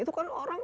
itu kan orang